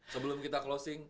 sebelum kita closing